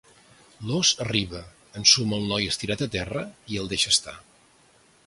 L'ós arriba, ensuma el noi estirat a terra i el deixa estar.